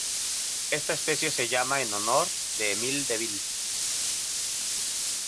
Esta especie se llama en honor de Emile Deville.